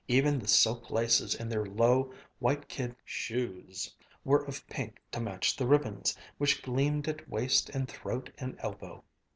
Even the silk laces in their low, white kid shoes were of pink to match the ribbons, which gleamed at waist and throat and elbow.